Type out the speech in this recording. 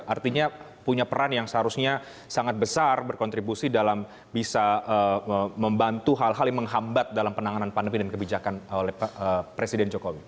artinya punya peran yang seharusnya sangat besar berkontribusi dalam bisa membantu hal hal yang menghambat dalam penanganan pandemi dan kebijakan oleh presiden jokowi